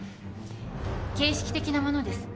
形式的なものです